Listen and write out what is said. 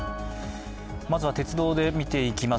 まずは鉄道で見ていきます。